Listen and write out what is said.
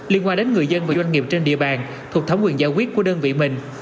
liên quan đến người dân và doanh nghiệp trên địa bàn thuộc thẩm quyền giải quyết của đơn vị mình